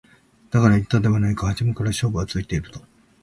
だから言ったではないか初めから勝負はついていると